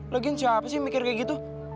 login siapa sih mikir kayak gitu